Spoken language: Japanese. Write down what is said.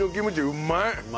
うまい。